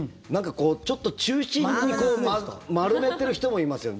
ちょっと中心に丸めてる人もいますよね。